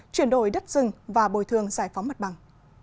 chuyển đổi đất rừng và bồi thường giải phóng mặt bằng